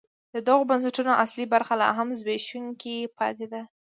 د دغو بنسټونو اصلي برخې لا هم زبېښونکي پاتې دي.